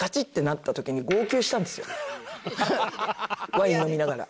ワイン飲みながら。